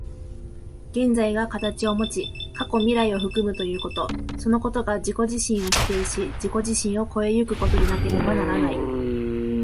現在が形をもち、過去未来を包むということ、そのことが自己自身を否定し、自己自身を越え行くことでなければならない。